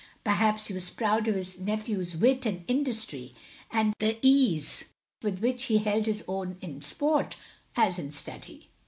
Perhaps he was proud of his nephew's wit and industry, and the ease with which he held his own in sport as in study.